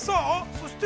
そして。